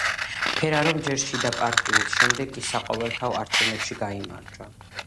ფერარომ ჯერ შიდაპარტიულ, შემდეგ კი საყოველთაო არჩევნებში გაიმარჯვა.